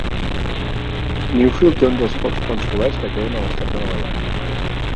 Newfield té un dels pocs ponts coberts que queden a l'estat de Nova York.